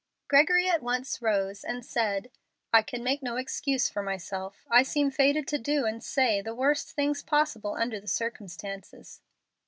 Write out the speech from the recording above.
Gregory at once rose and said, "I can make no excuse for myself. I seem fated to do and say the worst things possible under the circumstances."